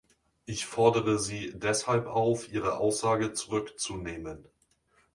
Ich fordere Sie deshalb auf, Ihre Aussage zurückzunehmen!